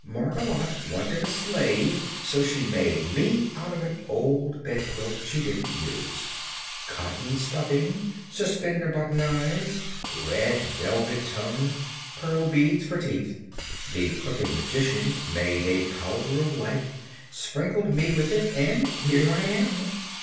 "Margolotte wanted a slave, so she made me out of an old bed quilt she didn't use. Cotton stuffing, suspender button eyes, red velvet tongue, pearl beads for teeth. The Crooked Magician made a Powder of Life, sprinkled me with it and here I am.